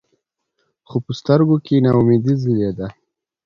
خو پۀ سترګو کښې ناامېدې ځلېده ـ